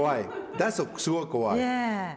すごい怖い。